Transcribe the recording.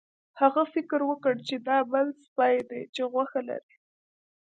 هغه فکر وکړ چې دا بل سپی دی چې غوښه لري.